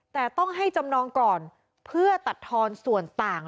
แต่ต้องให้จำนองก่อนเพื่อตัดทอนส่วนต่าง